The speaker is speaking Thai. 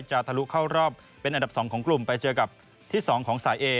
ทะลุเข้ารอบเป็นอันดับ๒ของกลุ่มไปเจอกับที่๒ของสายเอ